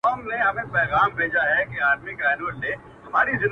• څارنوال ویله پلاره در جارېږم,